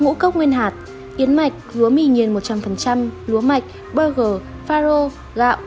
ngũ cốc nguyên hạt yến mạch lúa mì nhiên một trăm linh lúa mạch burger farro gạo